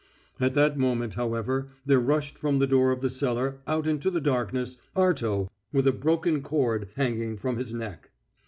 At that moment, however, there rushed from the door of the cellar out into the darkness Arto, with a broken cord hanging from his neck.